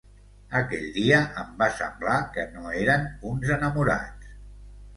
Aquell dia em va semblar que no eren uns enamorats.